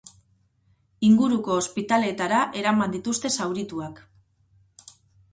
Inguruko ospitaleetara eraman dituzte zaurituak.